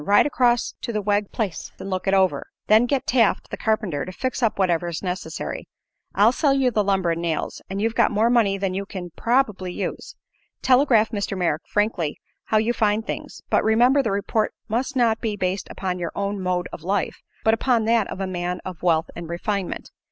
Ride across to the Wegg place and look it over. Then get Taft, the carpenter, to fix up whatever is necessary. I'll sell you the lumber and nails, and you've got more money than you can probably use. Telegraph Mr. Merrick frankly how you find things; but remember the report must not be based upon your own mode of life but upon that of a man of wealth and refinement.